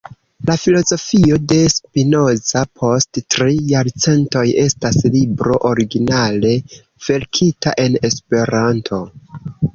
La Filozofio de Spinoza post Tri Jarcentoj estas libro originale verkita en Esperanto.